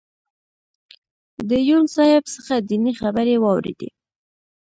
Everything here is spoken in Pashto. د یون صاحب څخه دینی خبرې واورېدې.